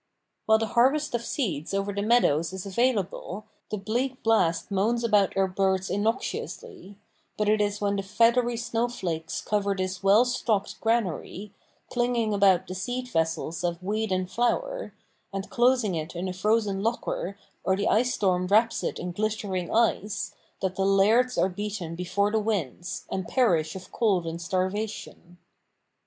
While the harvest of seeds over the meadows is available the bleak blast moans about our birds innoxiously; but it is when the feathery snowflakes cover this well stocked granary, clinging about the seed vessels of weed and flower, and closing it in a frozen locker, or the ice storm wraps it in glittering ice, that the lairds are beaten before the winds, and perish of cold and starvation.